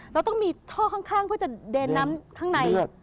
เราต้องมีท่อข้างเพื่อจะเดินน้ำข้างใน